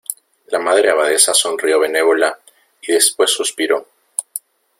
la Madre Abadesa sonrió benévola, y después suspiró: